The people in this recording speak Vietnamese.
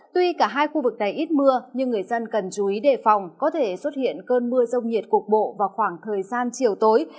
tuy cả hai khu vực này ít mưa nhưng người dân cần chú ý đề phòng có thể xuất hiện cơn mưa rông nhiệt cục bộ vào khoảng thời gian chiều tối